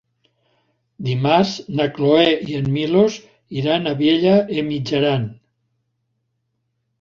Dimarts na Cloè i en Milos iran a Vielha e Mijaran.